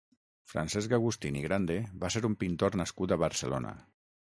Francesc Agustín i Grande va ser un pintor nascut a Barcelona.